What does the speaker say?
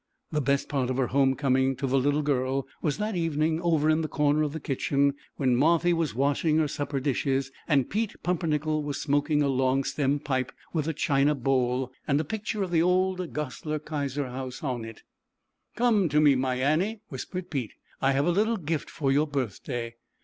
The best part of her home coming to the little girl was that evening, over in the corner of the kitchen, when Marthy was washing her supper dishes, and Pete Pumpernickel was smoking; a long ^J Ll i ^i f Xa J stemmed pipe, with a china bowl, and ZAUBERLINDA, THE WISE WITCH. 253 a picture of the old Goslar Kaiser House on it. " Come to me, my Annie," whispered Pete, " I have a little gift for your birthday.